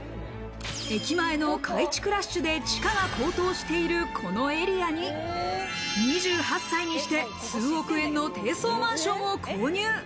駅前の改築ラッシュで地価が高騰しているこのエリアに２８歳にして数億円の低層マンションを購入。